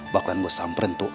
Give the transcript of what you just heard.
bakalan gue samperin tuh